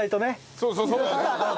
そうそうそう。